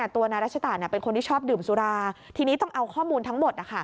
ตัวนายรัชตะเป็นคนที่ชอบดื่มสุราทีนี้ต้องเอาข้อมูลทั้งหมด